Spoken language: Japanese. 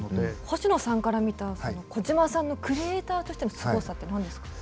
星野さんから見た小島さんのクリエーターとしてのすごさって何ですか？